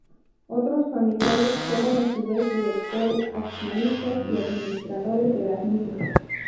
Otros familiares fueron a su vez directores, accionistas y administradores de las mismas.